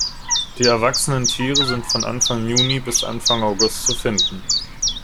Die erwachsenen Tiere sind von Anfang Juni bis Anfang August zu finden.